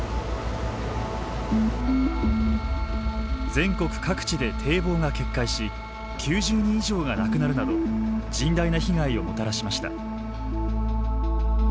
全国各地で堤防が決壊し９０人以上が亡くなるなど甚大な被害をもたらしました。